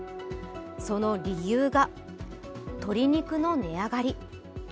その理由が鶏肉の値上がり。